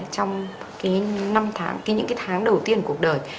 trong những tháng đầu tiên của cuộc đời